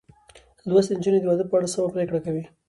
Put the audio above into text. لوستې نجونې د واده په اړه سمه پرېکړه کوي.